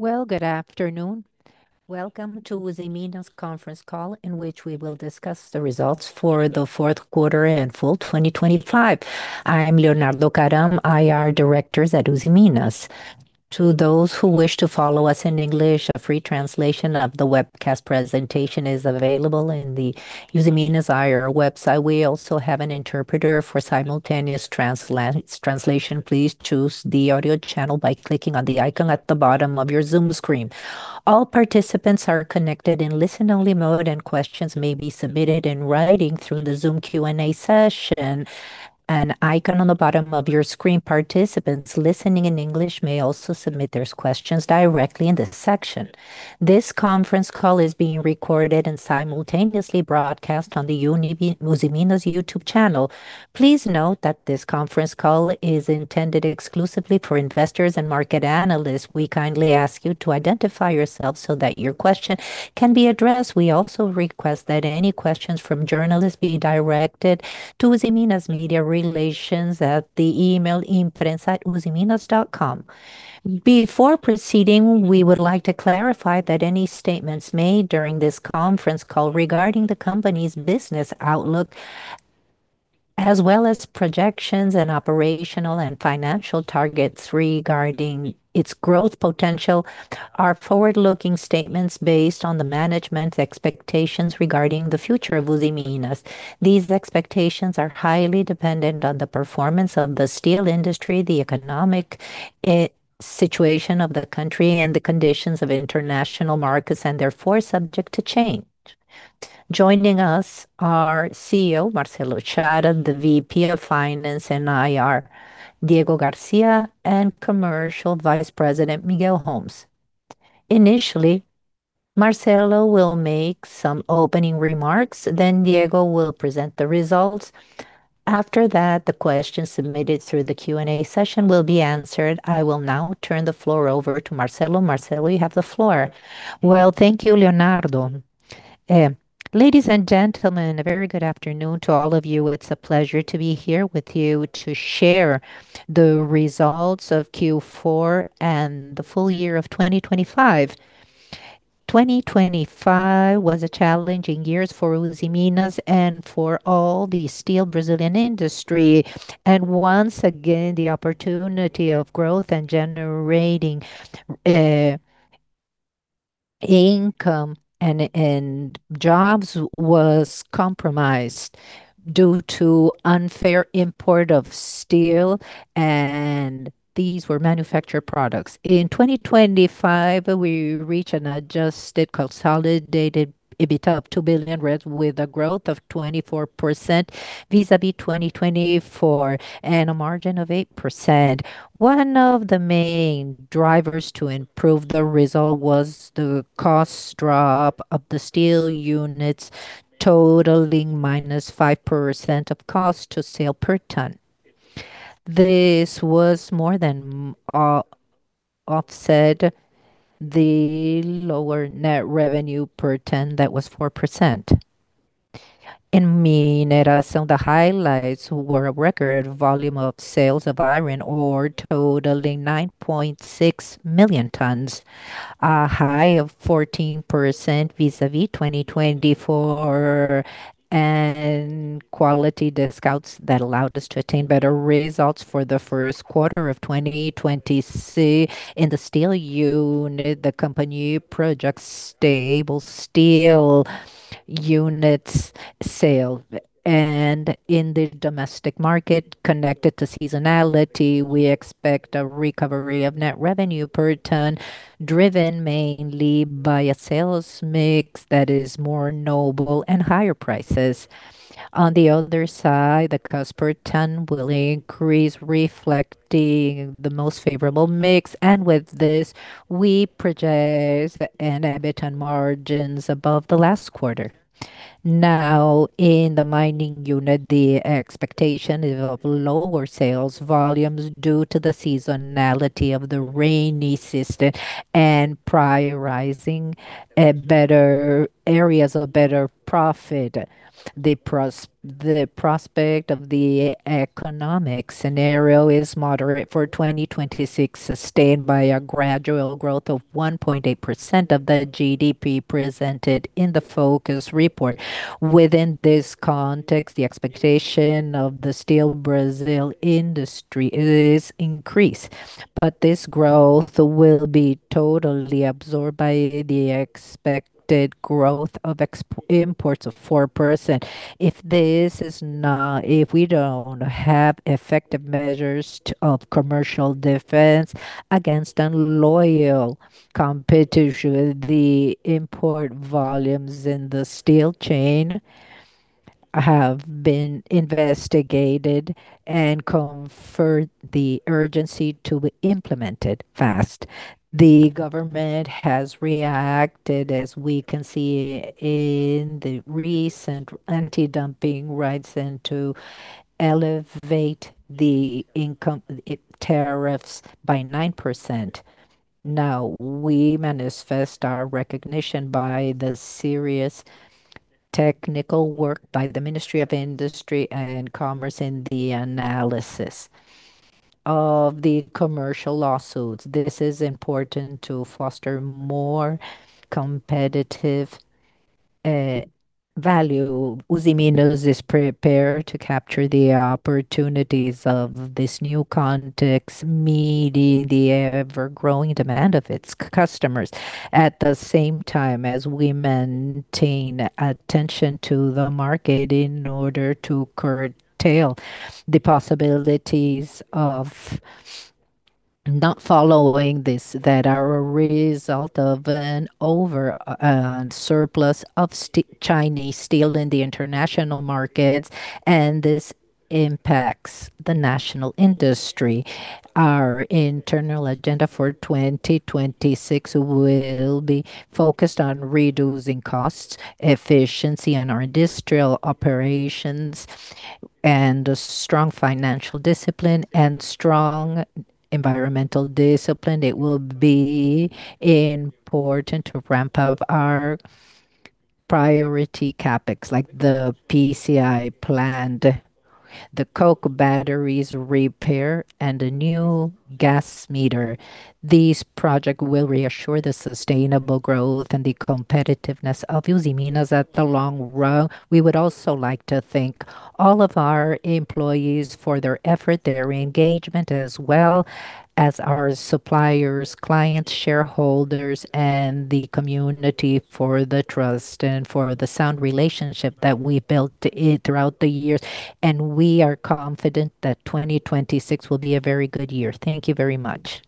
Well, good afternoon. Welcome to Usiminas conference call, in which we will discuss the results for the fourth quarter and full 2025. I am Leonardo Karam, IR Director at Usiminas. To those who wish to follow us in English, a free translation of the webcast presentation is available in the Usiminas IR website. We also have an interpreter for simultaneous translation. Please choose the audio channel by clicking on the icon at the bottom of your Zoom screen. All participants are connected in listen-only mode, and questions may be submitted in writing through the Zoom Q&A session, an icon on the bottom of your screen. Participants listening in English may also submit their questions directly in this section. This conference call is being recorded and simultaneously broadcast on the Usiminas YouTube channel. Please note that this conference call is intended exclusively for investors and market analysts. We kindly ask you to identify yourself so that your question can be addressed. We also request that any questions from journalists be directed to Usiminas media relations at the email imprensa@usiminas.com. Before proceeding, we would like to clarify that any statements made during this conference call regarding the company's business outlook, as well as projections and operational and financial targets regarding its growth potential, are forward-looking statements based on the management's expectations regarding the future of Usiminas. These expectations are highly dependent on the performance of the steel industry, the economic situation of the country, and the conditions of international markets, and therefore, subject to change. Joining us are CEO Marcelo Chara, the VP of Finance and IR Diego Garcia, and Commercial Vice President Miguel Homes. Initially, Marcelo will make some opening remarks, then Diego will present the results. After that, the questions submitted through the Q&A session will be answered. I will now turn the floor over to Marcelo. Marcelo, you have the floor. Well, thank you, Leonardo. Ladies and gentlemen, a very good afternoon to all of you. It's a pleasure to be here with you to share the results of Q4 and the full year of 2025. 2025 was a challenging year for Usiminas and for all the Brazilian steel industry, and once again, the opportunity of growth and generating income and jobs was compromised due to unfair imports of steel, and these were manufactured products. In 2025, we reached an adjusted, consolidated EBITDA of 2 billion, with a growth of 24% vis-à-vis 2024, and a margin of 8%. One of the main drivers to improve the result was the cost drop of the steel units, totaling -5% of cost to sale per ton. This was more than, offset the lower net revenue per ton. That was 4%. In Mineração, the highlights were a record volume of sales of iron ore, totaling 9.6 million tons, a high of 14% vis-a-vis 2024, and quality discounts that allowed us to attain better results for the first quarter of 2025. In the steel unit, the company projects stable steel units sale, and in the domestic market, connected to seasonality, we expect a recovery of net revenue per ton, driven mainly by a sales mix that is more noble and higher prices. On the other side, the cost per ton will increase, reflecting the most favorable mix, and with this, we project an EBITDA margins above the last quarter. Now, in the mining unit, the expectation is of lower sales volumes due to the seasonality of the rainy season and prioritizing better areas of better profit. The prospect of the economic scenario is moderate for 2026, sustained by a gradual growth of 1.8% of the GDP presented in the Focus Report. Within this context, the expectation of the Brazilian steel industry is increased, but this growth will be totally absorbed by the expected growth of imports of 4%. If we don't have effective measures to of commercial defense against unfair competition, the import volumes in the steel chain have been investigated and confirmed the urgency to implement it fast. The government has reacted, as we can see in the recent anti-dumping rights, and to elevate the import tariffs by 9%. Now, we manifest our recognition of the serious technical work by the Ministry of Industry and Commerce in the analysis of the commercial lawsuits. This is important to foster more competitive value. Usiminas is prepared to capture the opportunities of this new context, meeting the ever-growing demand of its customers. At the same time, as we maintain attention to the market in order to curtail the possibilities of not following this, that are a result of an over surplus of Chinese steel in the international markets, and this impacts the national industry. Our internal agenda for 2026 will be focused on reducing costs, efficiency in our industrial operations, and a strong financial discipline and strong environmental discipline. It will be important to ramp up our priority CapEx, like the PCI plant, the coke batteries repair, and a new gas meter. These project will reassure the sustainable growth and the competitiveness of Usiminas at the long run. We would also like to thank all of our employees for their effort, their engagement, as well as our suppliers, clients, shareholders, and the community for the trust and for the sound relationship that we built throughout the years. We are confident that 2026 will be a very good year. Thank you very much.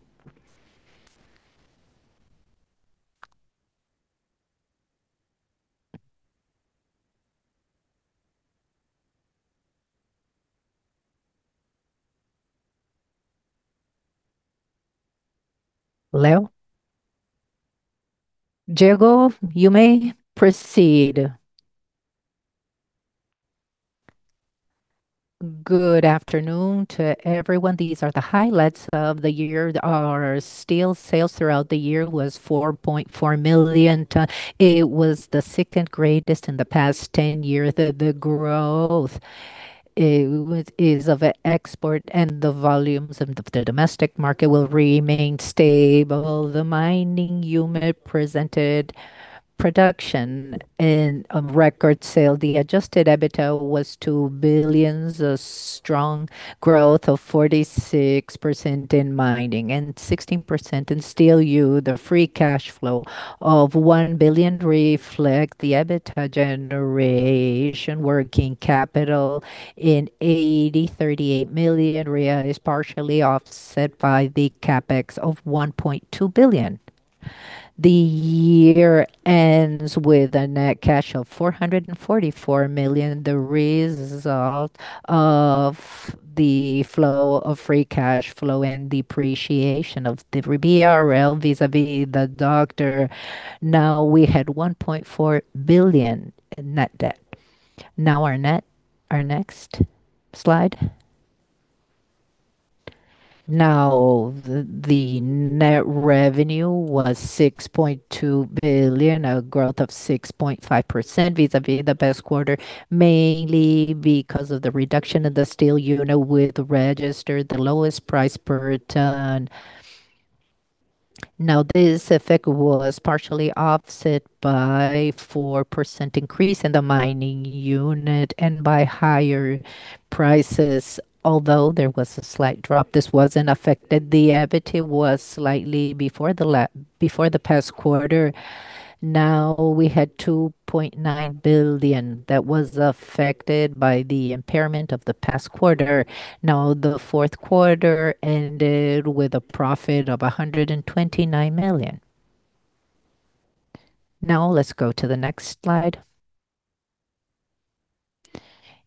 Leo? Diego, you may proceed. Good afternoon to everyone. These are the highlights of the year. Our steel sales throughout the year was 4.4 million ton. It was the second greatest in the past 10 years. The growth is of the export, and the volumes of the domestic market will remain stable. The mining unit presented production and a record sale. The adjusted EBITDA was 2 billion, a strong growth of 46% in mining and 16% in steel unit. The free cash flow of 1 billion reflect the EBITDA generation. Working capital in BRL 83.8 million is partially offset by the CapEx of 1.2 billion. The year ends with a net cash of 444 million, the result of the flow of free cash flow and depreciation of the BRL vis-a-vis the dollar. Now, we had 1.4 billion in net debt. Now, our net Our next slide. Now, the net revenue was 6.2 billion, a growth of 6.5% vis-a-vis the best quarter, mainly because of the reduction in the steel unit, with registered the lowest price per ton. Now, this effect was partially offset by 4% increase in the mining unit and by higher prices. Although there was a slight drop, this wasn't affected. The EBITDA was slightly before the before the past quarter. Now, we had 2.9 billion that was affected by the impairment of the past quarter. Now, the fourth quarter ended with a profit of 129 million. Now, let's go to the next slide.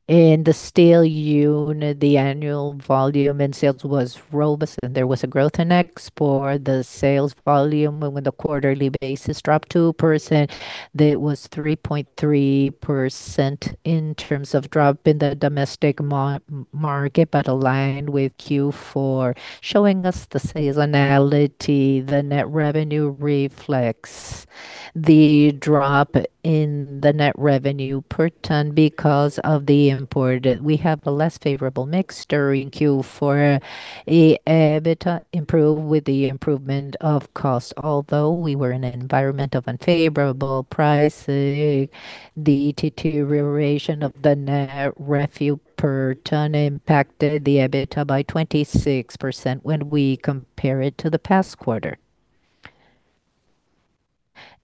In the steel unit, the annual volume in sales was robust, and there was a growth in export. The sales volume on the quarterly basis dropped 2%. That was 3.3% in terms of drop in the domestic market, but aligned with Q4, showing us the seasonality. The net revenue reflects the drop in the net revenue per ton because of the import. We have a less favorable mix during Q4. The EBITDA improved with the improvement of cost, although we were in an environment of unfavorable price. The deterioration of the net revenue per ton impacted the EBITDA by 26% when we compare it to the past quarter.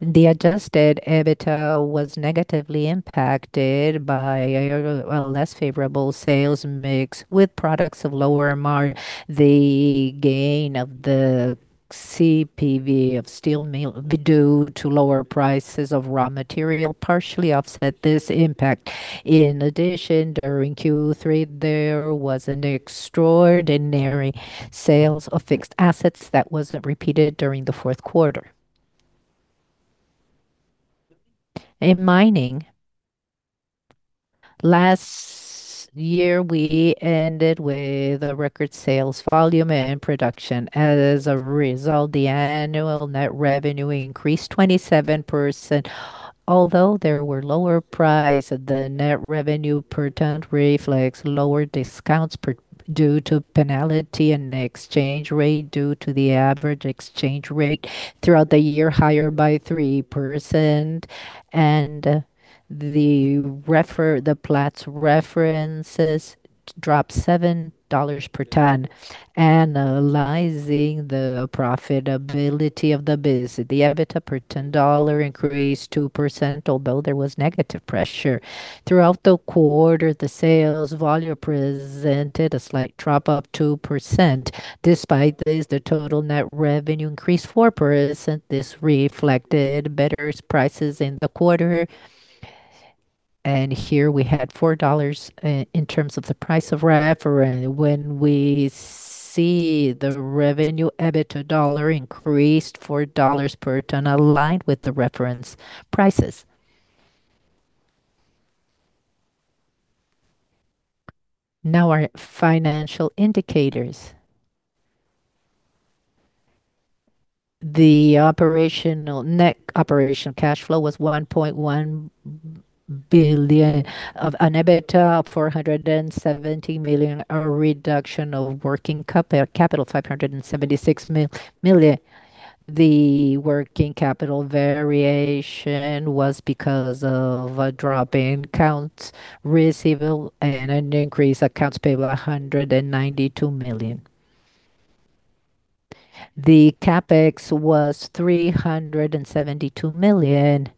The adjusted EBITDA was negatively impacted by a, well, less favorable sales mix with products of lower margin. The gain of the CPV of steel mill due to lower prices of raw material partially offset this impact. In addition, during Q3, there was an extraordinary sales of fixed assets that wasn't repeated during the fourth quarter. In mining-... Last year, we ended with a record sales volume and production. As a result, the annual net revenue increased 27%. Although there were lower price, the net revenue per ton reflects lower discounts due to penalty and exchange rate, due to the average exchange rate throughout the year, higher by 3%, and the Platts references dropped $7 per ton. Analyzing the profitability of the business, the EBITDA per ton dollar increased 2%, although there was negative pressure. Throughout the quarter, the sales volume presented a slight drop of 2%. Despite this, the total net revenue increased 4%. This reflected better prices in the quarter, and here we had $4 in terms of the price of reference. When we see the revenue, EBITDA dollar increased $4 per ton, aligned with the reference prices. Now our financial indicators. The operational net operational cash flow was 1.1 billion and EBITDA up 470 million, a reduction of working capital, 576 million. The working capital variation was because of a drop in accounts receivable and an increase accounts payable of 192 million. The CapEx was 372 million,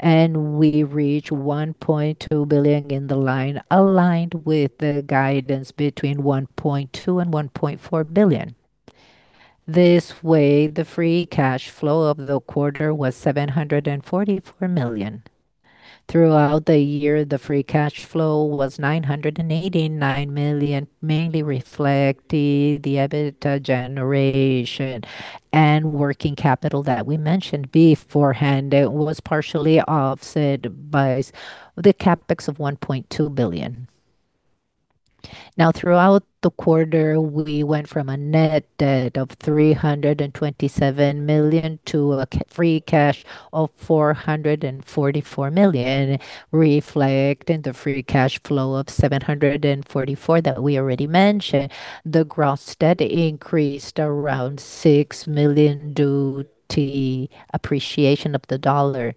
and we reached 1.2 billion in the line, aligned with the guidance between 1.2 billion and 1.4 billion. This way, the free cash flow of the quarter was 744 million. Throughout the year, the free cash flow was 989 million, mainly reflecting the EBITDA generation and working capital that we mentioned beforehand. It was partially offset by the CapEx of 1.2 billion. Now, throughout the quarter, we went from a net debt of $327 million to a free cash of $444 million, reflecting the free cash flow of $744 million that we already mentioned. The gross debt increased around $6 million due to appreciation of the dollar.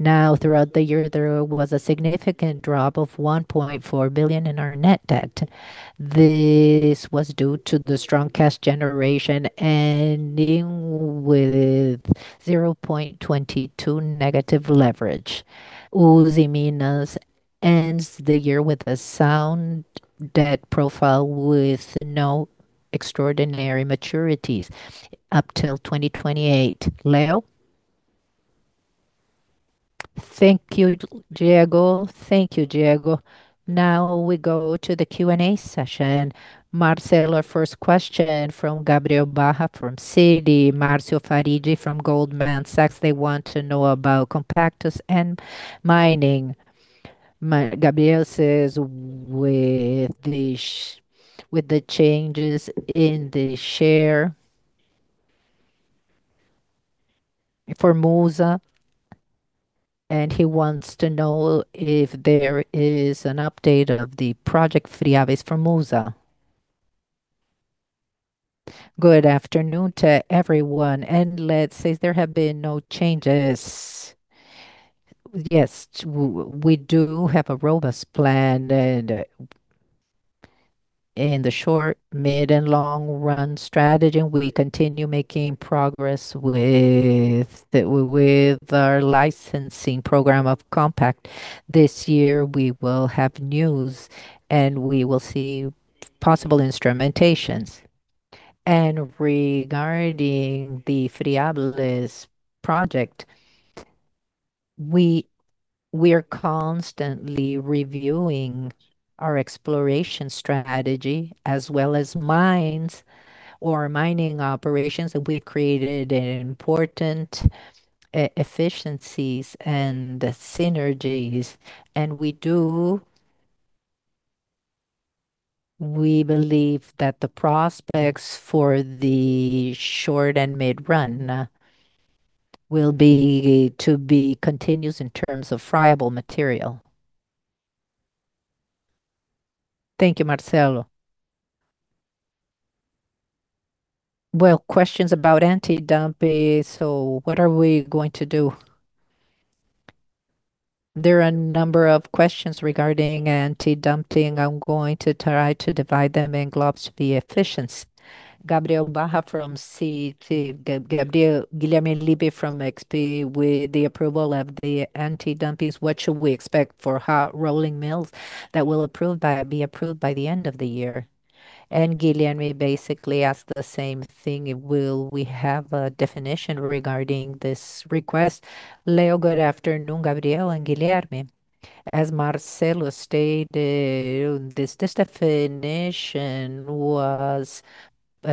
Now, throughout the year, there was a significant drop of $1.4 billion in our net debt. This was due to the strong cash generation, ending with -0.22 leverage. Usiminas ends the year with a sound debt profile, with no extraordinary maturities up till 2028. Leo? Thank you, Diego. Thank you, Diego. Now we go to the Q&A session. Marcelo, our first question from Gabriel Barra from Citi, Marcio Farid from Goldman Sachs. They want to know about CapEx and mining. Gabriel says with the changes in the share for Musa, and he wants to know if there is an update of the project Friables for Musa. Good afternoon to everyone, and let's say there have been no changes. Yes, we do have a robust plan and, in the short, mid, and long-run strategy, we continue making progress with the, with our licensing program of Compactos. This year, we will have news, and we will see possible instrumentations. And regarding the Friables project, we, we are constantly reviewing our exploration strategy as well as mines or mining operations, that we created important efficiencies and the synergies, and we do. We believe that the prospects for the short and mid-run, will be to be continuous in terms of friables material. Thank you, Marcelo. Well, questions about anti-dumping. So what are we going to do? There are a number of questions regarding anti-dumping. I'm going to try to divide them in groups to be efficient. Gabriel Barra from Citi. Guilherme Nippes from XP. With the approval of the anti-dumpings, what should we expect for hot rolling mills that will be approved by the end of the year? And Guilherme basically asked the same thing: Will we have a definition regarding this request? Leo, good afternoon, Gabriel and Guilherme. As Marcelo stated, this definition was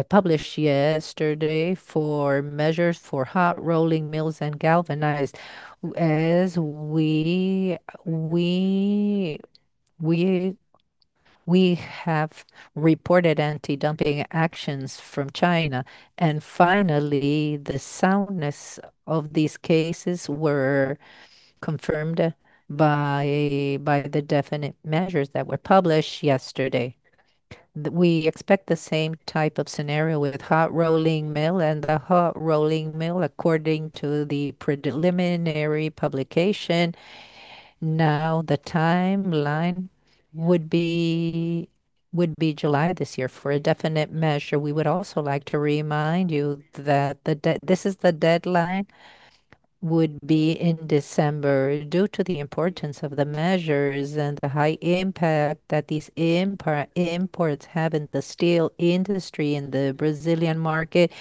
published yesterday for measures for hot rolling mills and galvanized. As we have reported anti-dumping actions from China, and finally, the soundness of these cases were confirmed by the definite measures that were published yesterday. We expect the same type of scenario with hot rolling mill, and the hot rolling mill, according to the preliminary publication, now the timeline would be July this year for a definite measure. We would also like to remind you that the deadline would be in December. Due to the importance of the measures and the high impact that these imports have in the steel industry, in the Brazilian market,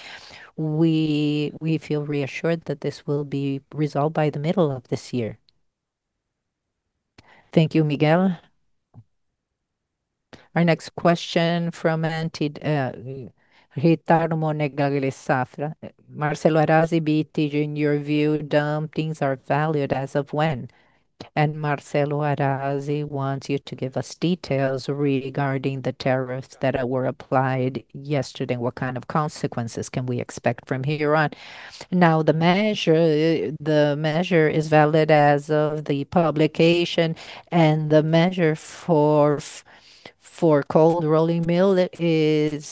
we feel reassured that this will be resolved by the middle of this year. Thank you, Miguel. Our next question from Ricardo Monegaglia, Safra. Marcelo Arazi, BTG in your view, dumpings are valid as of when? And Marcelo Arazi wants you to give us details regarding the tariffs that were applied yesterday. What kind of consequences can we expect from here on? Now, the measure, the measure is valid as of the publication and the measure for cold rolling mill is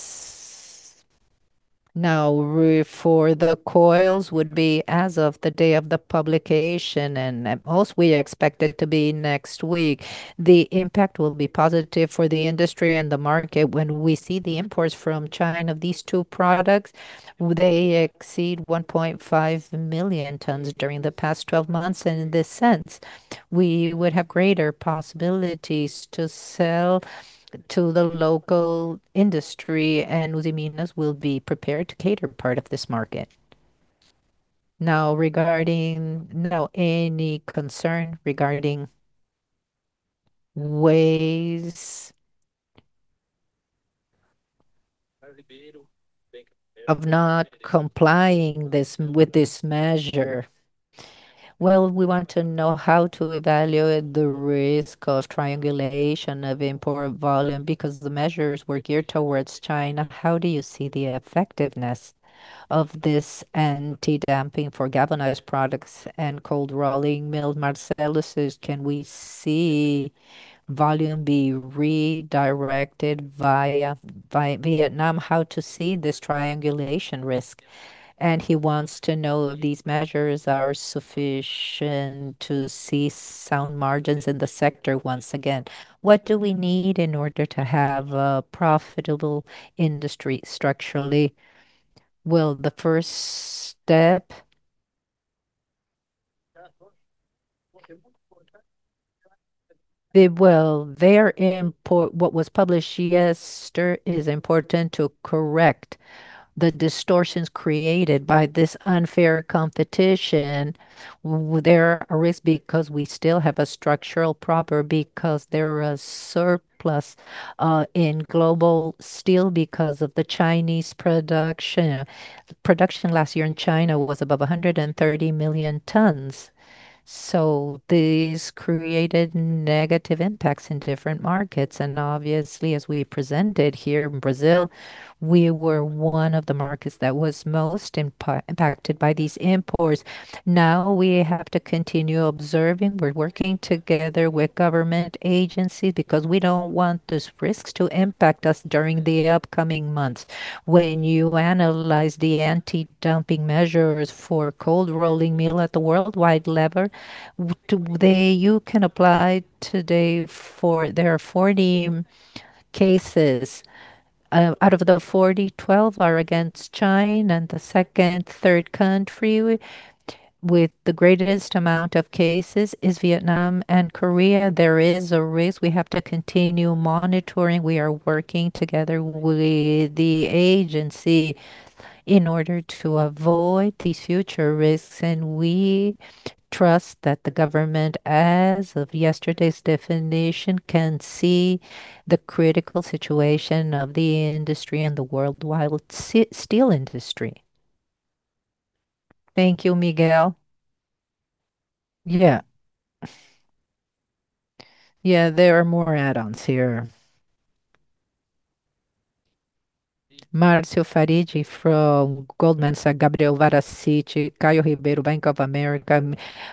now for the coils would be as of the day of the publication, and at most, we expect it to be next week. The impact will be positive for the industry and the market. When we see the imports from China of these two products, they exceed 1.5 million tons during the past 12 months, and in this sense, we would have greater possibilities to sell to the local industry, and Usiminas will be prepared to cater part of this market. Now, regarding... Now, any concern regarding ways of not complying with this measure? Well, we want to know how to evaluate the risk of triangulation of import volume, because the measures were geared towards China. How do you see the effectiveness of this anti-dumping for galvanized products and cold rolling mill, Marcelo? Can we see volume be redirected via Vietnam? How to see this triangulation risk. And he wants to know if these measures are sufficient to see sound margins in the sector once again. What do we need in order to have a profitable industry structurally? Well, the first step... Well, the import, what was published yesterday is important to correct the distortions created by this unfair competition. There are risks because we still have a structural problem, because there is a surplus in global steel because of the Chinese production. Production last year in China was above 130 million tons. So this created negative impacts in different markets, and obviously, as we presented here in Brazil, we were one of the markets that was most impacted by these imports. Now, we have to continue observing. We're working together with government agency because we don't want these risks to impact us during the upcoming months. When you analyze the anti-dumping measures for cold rolling mill at the worldwide level, you can apply today for... There are 40 cases. Out of the 40, 12 are against China, and the second, third country with the greatest amount of cases is Vietnam and Korea. There is a risk. We have to continue monitoring. We are working together with the agency in order to avoid these future risks, and we trust that the government, as of yesterday's definition, can see the critical situation of the industry and the worldwide steel industry. Thank you, Miguel. Yeah. Yeah, there are more add-ons here. Marcio Farigi from Goldman Sachs, Gabriel Barra, Caio Ribeiro, Bank of America,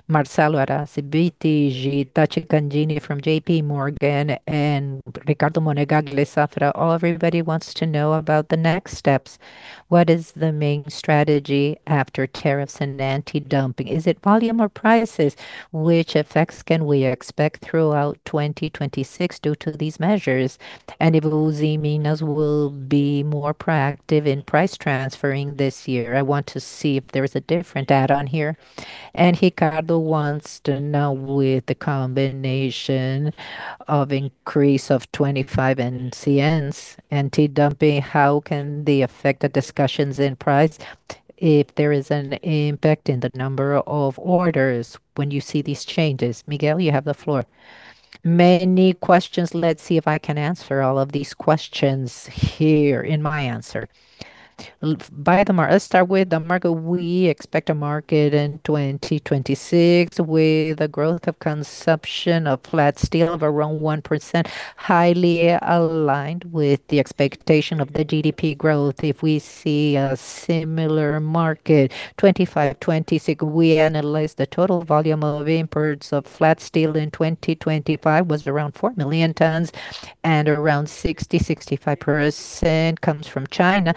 Marcelo Arazi, BTG, Tachi Canganini from JPMorgan, and Ricardo Monegaglia Safra. All everybody wants to know about the next steps. What is the main strategy after tariffs and anti-dumping? Is it volume or prices? Which effects can we expect throughout 2026 due to these measures? And if Usiminas will be more proactive in price transferring this year. I want to see if there is a different add-on here. Ricardo wants to know, with the combination of increase of 25 NCMs anti-dumping, how can they affect the discussions in price? If there is an impact in the number of orders when you see these changes? Miguel, you have the floor. Many questions, let's see if I can answer all of these questions here in my answer. Let's start with the market. We expect a market in 2026 with a growth of consumption of flat steel of around 1%, highly aligned with the expectation of the GDP growth. If we see a similar market, 2025-2026, we analyze the total volume of imports of flat steel in 2025 was around 4 million tons, and around 60%-65% comes from China.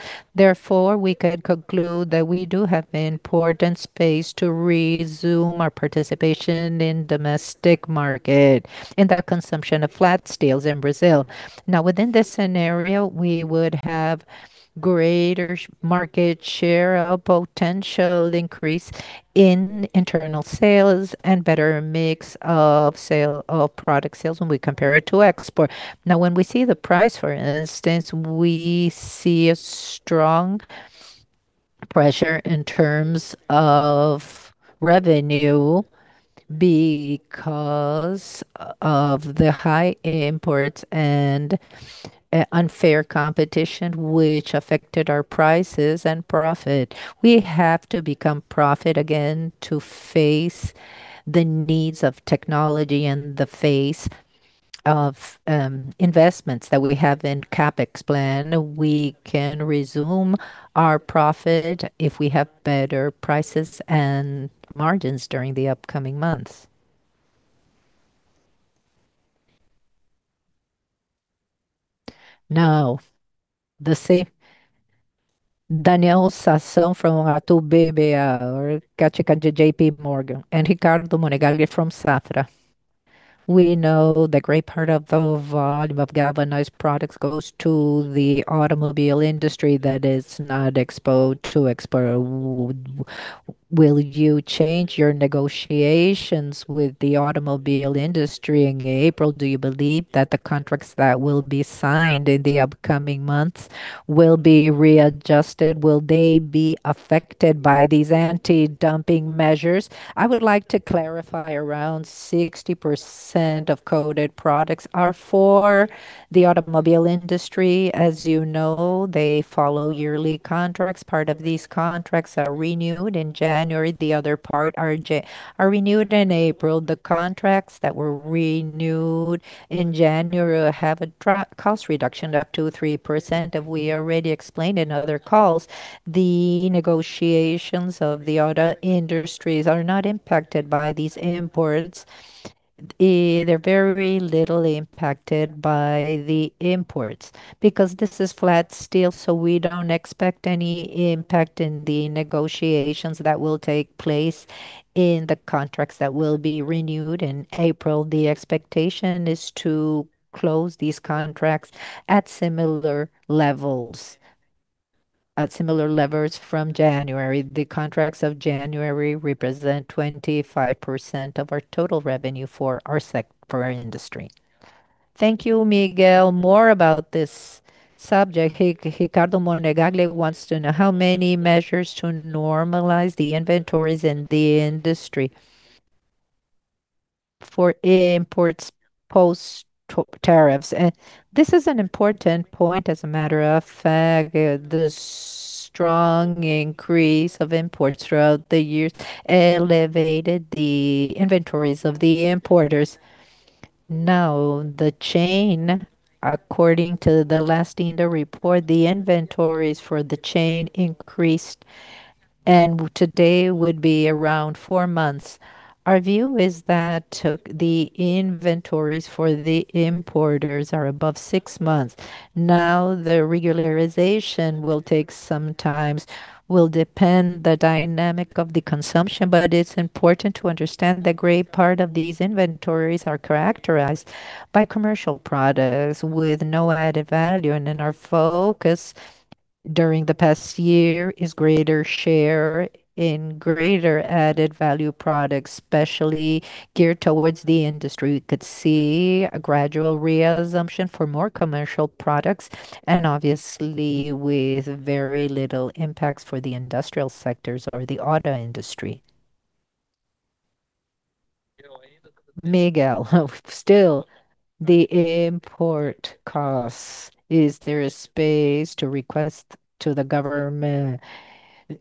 Therefore, we could conclude that we do have important space to resume our participation in domestic market, in the consumption of flat steels in Brazil. Now, within this scenario, we would have greater market share, a potential increase in internal sales, and better mix of sale, of product sales when we compare it to export. Now, when we see the price, for instance, we see a strong pressure in terms of revenue because of the high imports and unfair competition, which affected our prices and profit. We have to become profit again to face the needs of technology and the face of investments that we have in CapEx plan. We can resume our profit if we have better prices and margins during the upcoming months. Now, the same, Daniel Sasson from Itaú BBA, Tachi Canganini JPMorgan, and Ricardo Monegaglia from Safra. We know that great part of the volume of galvanized products goes to the automobile industry that is not exposed to export. Will you change your negotiations with the automobile industry in April? Do you believe that the contracts that will be signed in the upcoming months will be readjusted? Will they be affected by these anti-dumping measures? I would like to clarify, around 60% of coated products are for the automobile industry. As you know, they follow yearly contracts. Part of these contracts are renewed in January, the other part are renewed in April. The contracts that were renewed in January have a cost reduction of up to 3%, and we already explained in other calls, the negotiations of the auto industries are not impacted by these imports. They're very little impacted by the imports because this is flat steel, so we don't expect any impact in the negotiations that will take place in the contracts that will be renewed in April. The expectation is to close these contracts at similar levels, at similar levels from January. The contracts of January represent 25% of our total revenue for our industry. Thank you, Miguel. More about this subject, Ricardo Monegaglia wants to know, how many measures to normalize the inventories in the industry for imports post to tariffs? And this is an important point. As a matter of fact, the strong increase of imports throughout the years elevated the inventories of the importers. Now, the chain, according to the last INDA report, the inventories for the chain increased, and today would be around four months. Our view is that, the inventories for the importers are above six months. Now, the regularization will take some times, will depend the dynamic of the consumption. But it's important to understand that great part of these inventories are characterized by commercial products with no added value, and then our focus during the past year is greater share in greater added value products, especially geared towards the industry. We could see a gradual reassumption for more commercial products and obviously with very little impacts for the industrial sectors or the auto industry. Miguel, still, the import costs, is there a space to request to the government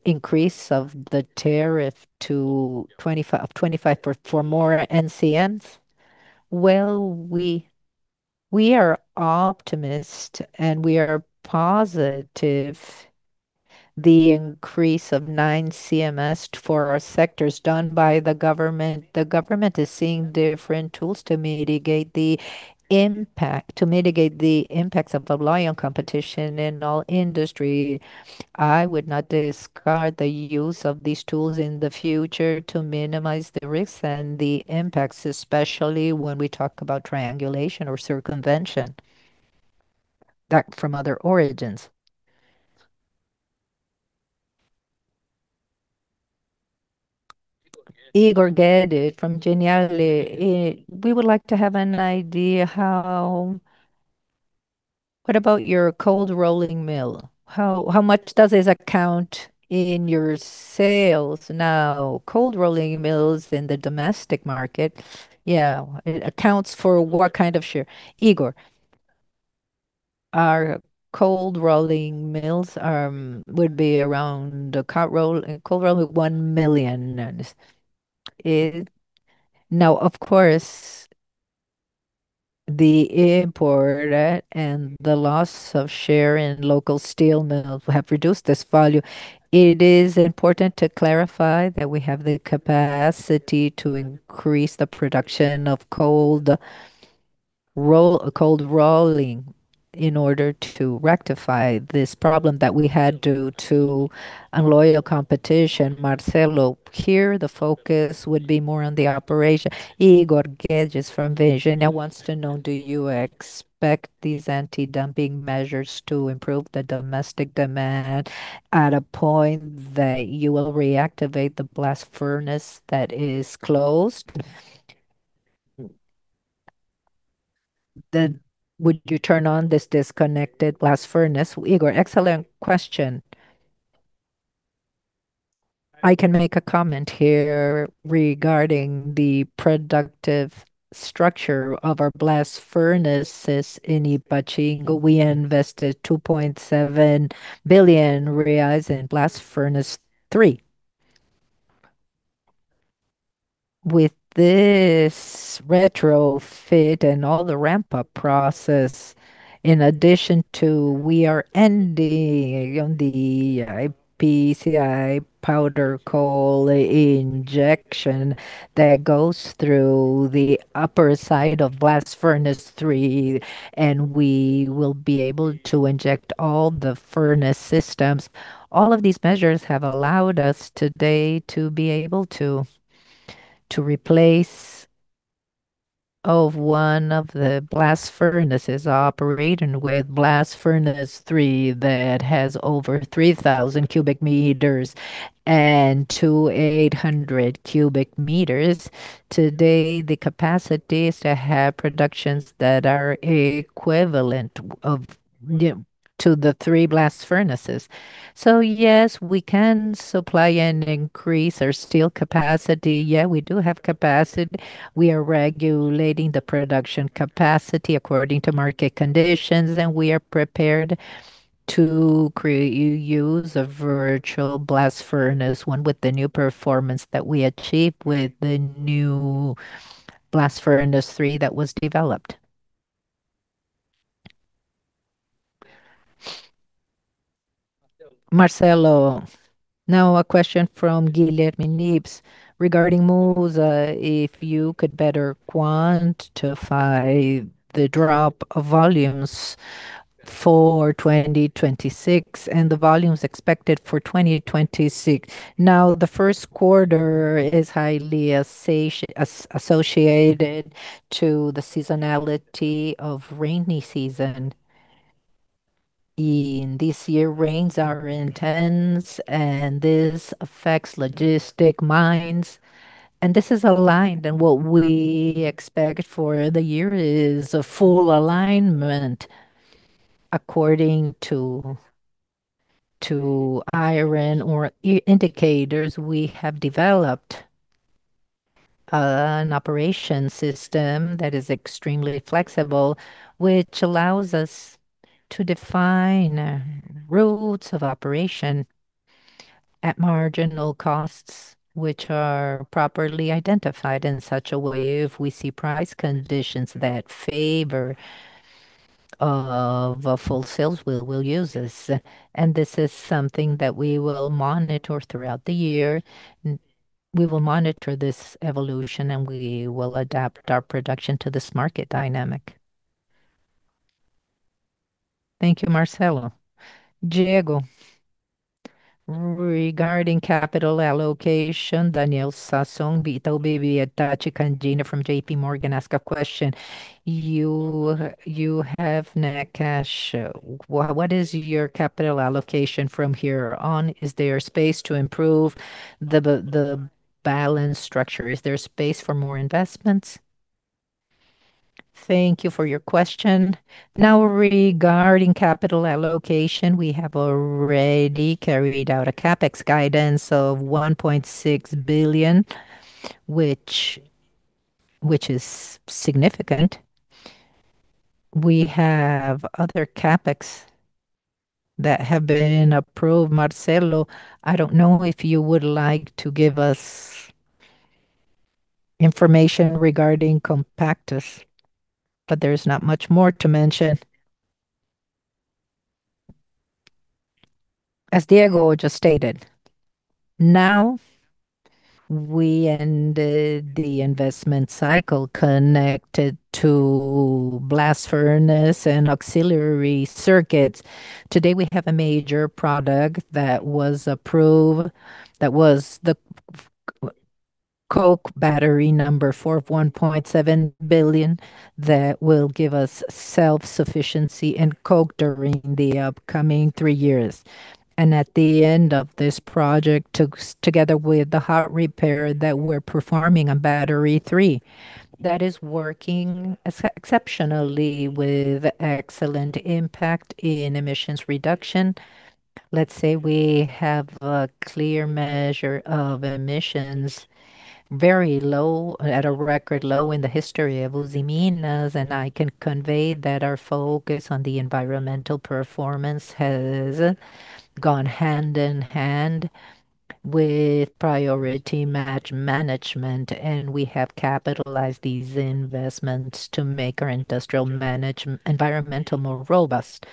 increase of the tariff to 25% for more NCMs? Well, we, we are optimistic, and we are positive the increase of 9 NCMs for our sectors done by the government. The government is seeking different tools to mitigate the impact, to mitigate the impacts of the unfair competition in all industry. I would not discard the use of these tools in the future to minimize the risks and the impacts, especially when we talk about triangulation or circumvention from other origins.... Igor Guedes from Genial. We would like to have an idea how what about your cold rolling mill? How much does this account in your sales now? Cold rolling mills in the domestic market, it accounts for what kind of share? Igor. Our cold rolling mills would be around cold roll 1 million. And now, of course, the import and the loss of share in local steel mills have reduced this value. It is important to clarify that we have the capacity to increase the production of cold roll, cold rolling in order to rectify this problem that we had due to unfair competition. Marcelo here, the focus would be more on the operation. Igor Guedes from Genial wants to know, do you expect these anti-dumping measures to improve the domestic demand at a point that you will reactivate the blast furnace that is closed? Then would you turn on this disconnected blast furnace, Igor? Excellent question. I can make a comment here regarding the productive structure of our blast furnaces in Ipatinga. We invested 2.7 billion reais in blast furnace three. With this retrofit and all the ramp-up process, in addition to we are ending on the PCI pulverized coal injection that goes through the upper side of Blast Furnace 3, and we will be able to inject all the furnace systems. All of these measures have allowed us today to be able to, to replace of one of the blast furnaces operating with Blast Furnace 3, that has over 3,000 m³ and 2,800 m³. Today, the capacity is to have productions that are equivalent of, to the three blast furnaces. So yes, we can supply and increase our steel capacity. Yeah, we do have capacity. We are regulating the production capacity according to market conditions, and we are prepared to create use of virtual blast Furnace 1 with the new performance that we achieved with the new Blast Furnace 3 that was developed. Marcelo, now a question from Guilherme Nippes regarding MUSA. If you could better quantify the drop of volumes for 2026 and the volumes expected for 2026. Now, the first quarter is highly associated to the seasonality of rainy season. In this year, rains are intense, and this affects logistic mines, and this is aligned. And what we expect for the year is a full alignment according to iron ore indicators. We have developed an operation system that is extremely flexible, which allows us to define routes of operation at marginal costs, which are properly identified in such a way if we see price conditions that favor of a full sales, we'll use this. And this is something that we will monitor throughout the year. We will monitor this evolution, and we will adapt our production to this market dynamic. Thank you, Marcelo. Diego, regarding capital allocation, Daniel Sasson, Vito Vivi, Atachi, and Dina from JPMorgan ask a question. You have net cash. What is your capital allocation from here on? Is there space to improve the balance structure? Is there space for more investments? Thank you for your question. Now, regarding capital allocation, we have already carried out a CapEx guidance of 1.6 billion, which is significant. We have other CapEx that have been approved. Marcelo, I don't know if you would like to give us information regarding Compactos, but there's not much more to mention. As Diego just stated, now we ended the investment cycle connected to blast furnace and auxiliary circuits. Today, we have a major product that was approved, that was the-... Coke battery number four of 1.7 billion that will give us self-sufficiency in coke during the upcoming three years. At the end of this project, together with the hot repair that we're performing on battery three, that is working exceptionally with excellent impact in emissions reduction. Let's say we have a clear measure of emissions very low, at a record low in the history of Usiminas, and I can convey that our focus on the environmental performance has gone hand in hand with priority match management, and we have capitalized these investments to make our industrial management environmental more robust.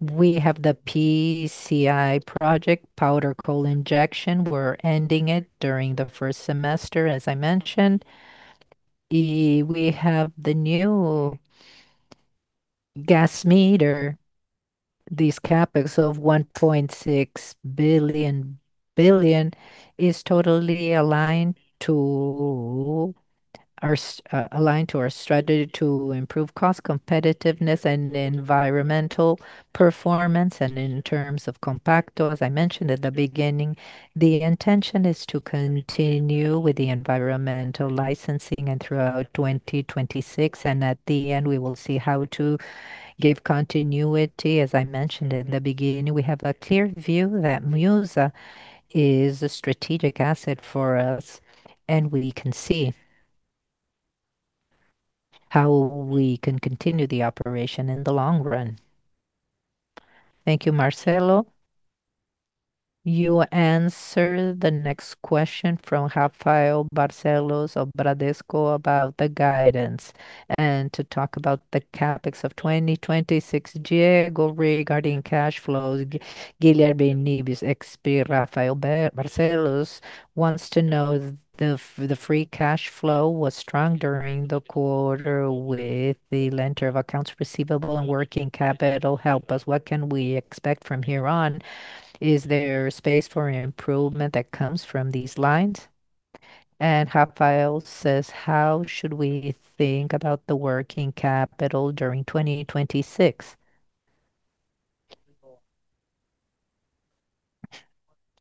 We have the PCI project, pulverized coal injection. We're ending it during the first semester, as I mentioned. We have the new gas meter. These CapEx of 1.6 billion is totally aligned to our strategy to improve cost, competitiveness, and environmental performance. In terms of Compactos, as I mentioned at the beginning, the intention is to continue with the environmental licensing and throughout 2026, and at the end, we will see how to give continuity. As I mentioned in the beginning, we have a clear view that MUSA is a strategic asset for us, and we can see how we can continue the operation in the long run. Thank you, Marcelo. You answer the next question from Rafael Barcellos of Bradesco about the guidance and to talk about the CapEx of 2026. Diego, regarding cash flows, Guilherme Nippes, XP, Rafael Barcellos, wants to know the free cash flow was strong during the quarter with the lender of accounts receivable and working capital. Help us, what can we expect from here on? Is there space for improvement that comes from these lines? And Rafael says, "How should we think about the working capital during 2026?"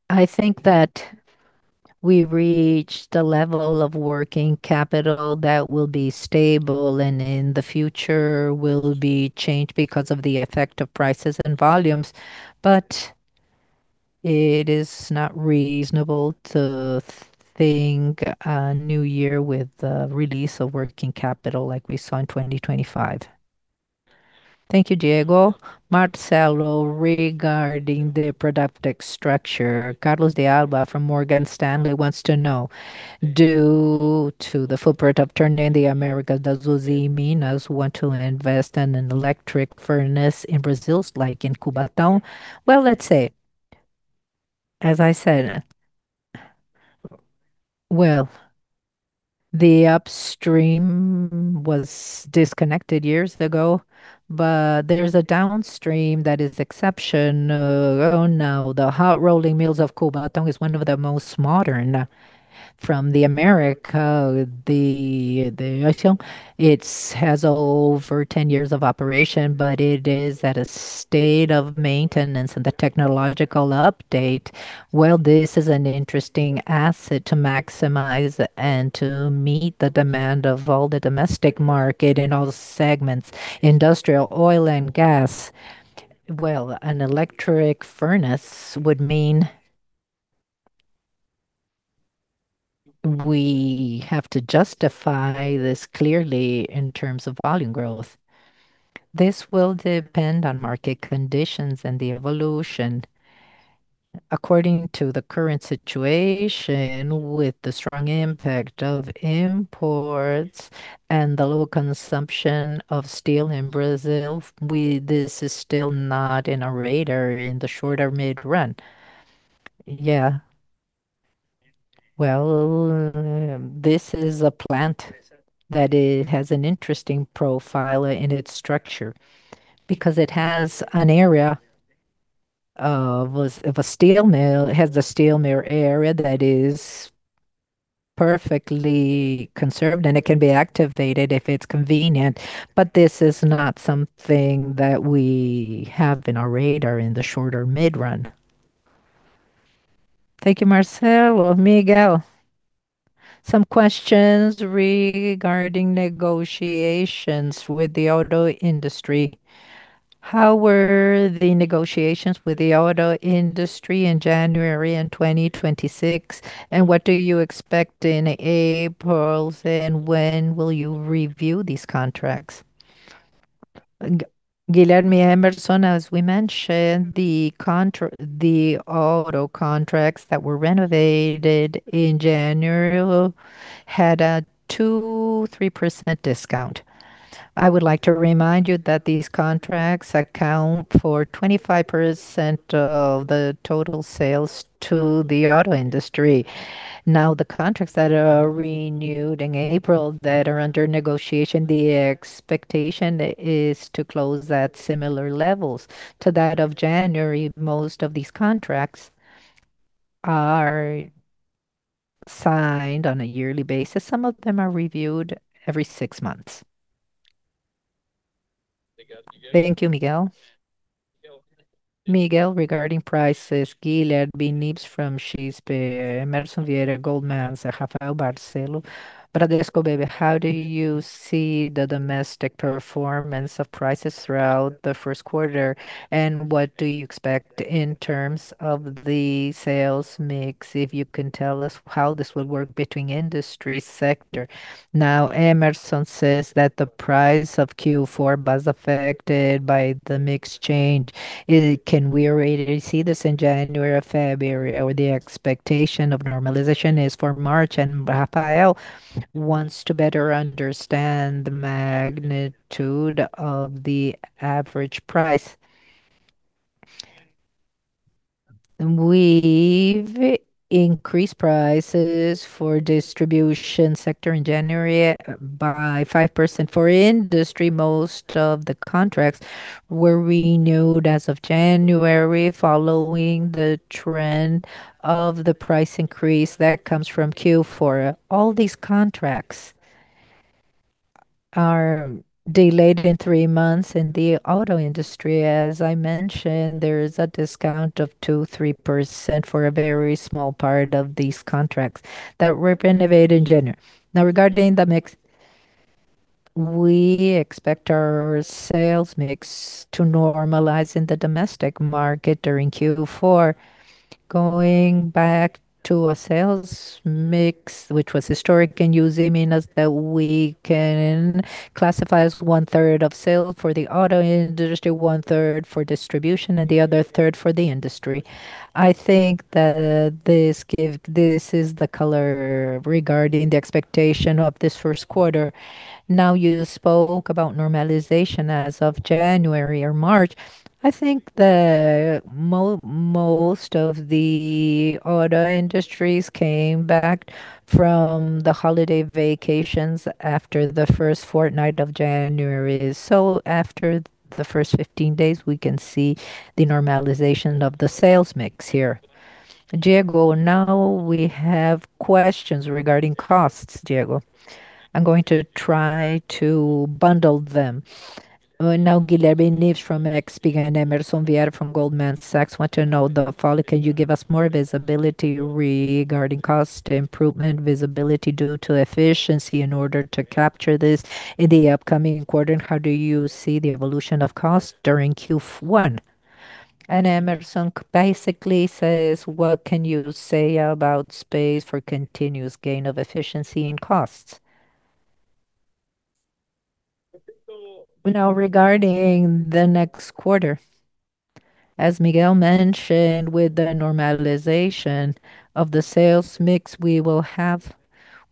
I think that we reached a level of working capital that will be stable and in the future will be changed because of the effect of prices and volumes. But it is not reasonable to think a new year with the release of working capital like we saw in 2025. Thank you, Diego. Marcelo, regarding the product structure, Carlos de Alba from Morgan Stanley wants to know, due to the footprint of Ternium the Americas, does Usiminas want to invest in an electric furnace in Brazil, like in Cubatão? Well, let's say, as I said, well, the upstream was disconnected years ago, but there's a downstream that is exceptional. Now, the hot rolling mills of Cubatão is one of the most modern from the America. It's has over 10 years of operation, but it is at a state of maintenance and the technological update. Well, this is an interesting asset to maximize and to meet the demand of all the domestic market in all segments, industrial, oil, and gas. Well, an electric furnace would mean we have to justify this clearly in terms of volume growth. This will depend on market conditions and the evolution according to the current situation, with the strong impact of imports and the low consumption of steel in Brazil, this is still not in our radar in the short or mid-run. Yeah. Well, this is a plant that it has an interesting profile in its structure because it has an area a steel mill. It has a steel mill area that is perfectly conserved, and it can be activated if it's convenient, but this is not something that we have in our radar in the short or mid-run. Thank you, Marcelo. Miguel, some questions regarding negotiations with the auto industry. How were the negotiations with the auto industry in January 2026, and what do you expect in April, and when will you review these contracts? Guilherme Emerson, as we mentioned, the auto contracts that were renovated in January had a 2%-3% discount. I would like to remind you that these contracts account for 25% of the total sales to the auto industry. Now, the contracts that are renewed in April that are under negotiation, the expectation is to close that similar levels to that of January. Most of these contracts are signed on a yearly basis. Some of them are reviewed every six months. Thank you, Miguel. Miguel, regarding prices, Guilherme Nippes from XP, Emerson Vieira, Goldman's Rafael Barcellos, Bradesco BBI, how do you see the domestic performance of prices throughout the first quarter, and what do you expect in terms of the sales mix? If you can tell us how this will work between industry sector. Now, Emerson says that the price of Q4 was affected by the mix change. Can we already see this in January or February, or the expectation of normalization is for March? And Rafael wants to better understand the magnitude of the average price. We've increased prices for distribution sector in January by 5%. For industry, most of the contracts were renewed as of January, following the trend of the price increase that comes from Q4. All these contracts are delayed in three months. In the auto industry, as I mentioned, there is a discount of 2%-3% for a very small part of these contracts that were renovated in January. Now, regarding the mix, we expect our sales mix to normalize in the domestic market during Q4, going back to a sales mix, which was historic, and using as, we can classify as one third of sales for the auto industry, one third for distribution, and the other third for the industry. I think that, this is the color regarding the expectation of this first quarter. Now, you spoke about normalization as of January or March. I think the most of the auto industries came back from the holiday vacations after the first fortnight of January. So after the first 15 days, we can see the normalization of the sales mix here. Diego, now we have questions regarding costs, Diego. I'm going to try to bundle them. Now, Guilherme Nives from XP and Emerson Vieira from Goldman Sachs want to know the following: Can you give us more visibility regarding cost improvement, visibility due to efficiency in order to capture this in the upcoming quarter? And how do you see the evolution of cost during Q1? And Emerson basically says, "What can you say about space for continuous gain of efficiency in costs?" Now, regarding the next quarter, as Miguel mentioned, with the normalization of the sales mix we will have,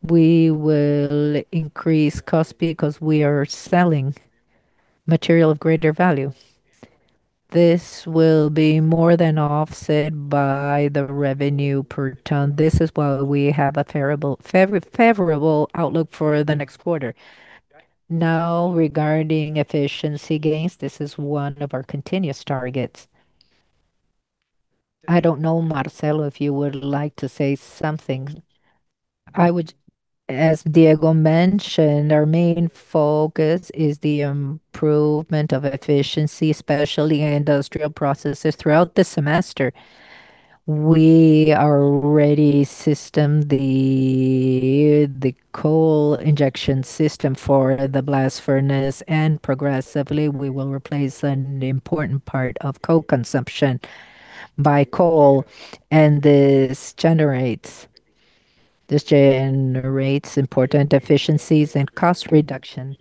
we will increase cost because we are selling material of greater value. This will be more than offset by the revenue per ton. This is why we have a favorable outlook for the next quarter. Now, regarding efficiency gains, this is one of our continuous targets. I don't know, Marcelo, if you would like to say something. I would. As Diego mentioned, our main focus is the improvement of efficiency, especially industrial processes. Throughout the semester, we already system the, the coal injection system for the blast furnace, and progressively we will replace an important part of coal consumption by coal, and this generates, this generates important efficiencies and cost reduction.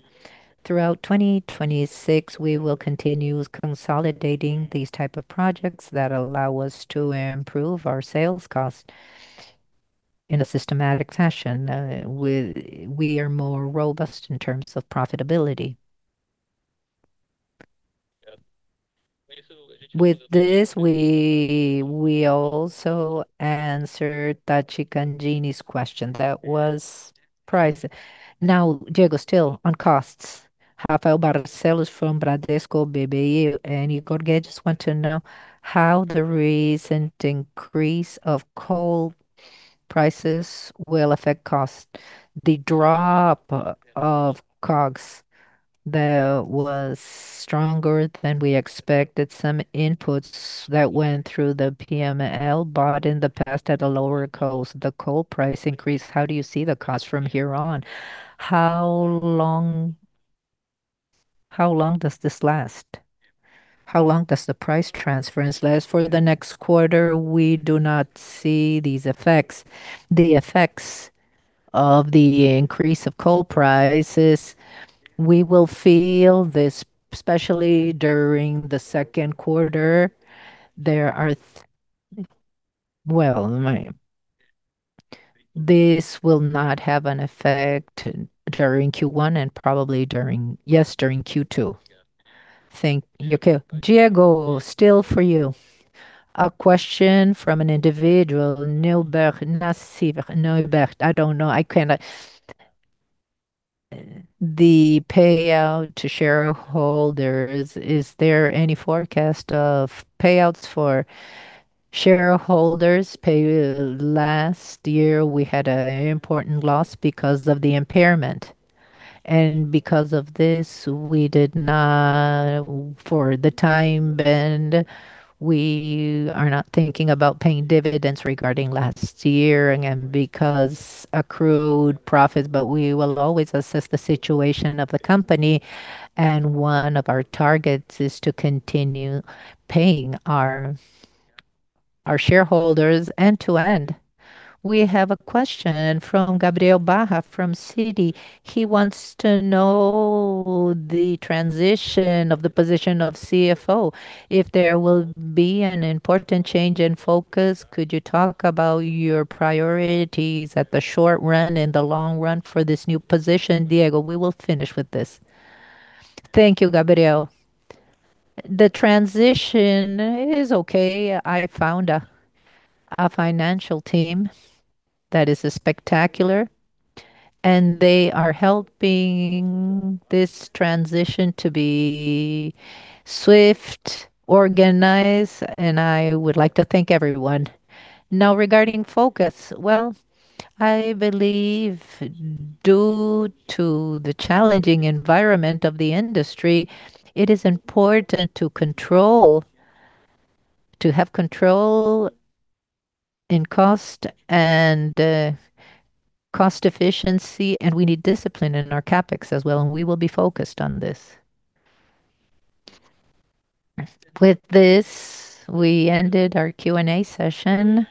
Throughout 2026, we will continue consolidating these type of projects that allow us to improve our sales cost in a systematic fashion. We, we are more robust in terms of profitability. With this, we, we also answered Tachi Canganini's question. That was price. Now, Diego, still on costs, Rafael Barcellos from Bradesco BBI, and he just want to know how the recent increase of coal prices will affect cost. The drop of COGS, that was stronger than we expected. Some inputs that went through the P&L bought in the past at a lower cost. The coal price increase, how do you see the cost from here on? How long, how long does this last? How long does the price transference last? For the next quarter, we do not see these effects. The effects of the increase of coal prices, we will feel this, especially during the second quarter. This will not have an effect during Q1 and probably during... Yes, during Q2. Thank you. Diego, still for you. A question from an individual, Nilbert Nassib. Nilbert, I don't know. I cannot... The payout to shareholder, is, is there any forecast of payouts for-... Shareholders pay. Last year we had an important loss because of the impairment, and because of this, we did not, for the time being, we are not thinking about paying dividends regarding last year, and again, because accrued profits. But we will always assess the situation of the company, and one of our targets is to continue paying our, our shareholders end to end. We have a question from Gabriel Barra, from Citi. He wants to know the transition of the position of CFO, if there will be an important change in focus. Could you talk about your priorities at the short run and the long run for this new position? Diego, we will finish with this. Thank you, Gabriel. The transition is okay. I found a, a financial team that is spectacular, and they are helping this transition to be swift, organized, and I would like to thank everyone. Now, regarding focus, well, I believe due to the challenging environment of the industry, it is important to have control in cost and cost efficiency, and we need discipline in our CapEx as well, and we will be focused on this. With this, we ended our Q&A session.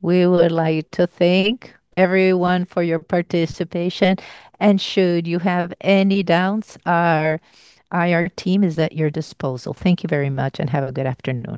We would like to thank everyone for your participation, and should you have any doubts, our IR team is at your disposal. Thank you very much and have a good afternoon.